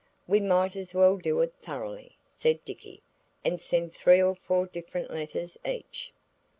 "We might as well do it thoroughly," said Dicky, "and send three or four different letters each."